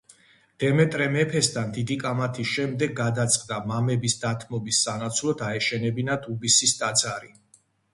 დემეტრე მეფესთან დიდი კამათის შემდეგ გადაწყდა მამების დათმობის სანაცვლოდ აეშენებინათ უბისის ტაძარი.